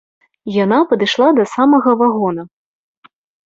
Яна падышла да самага вагона.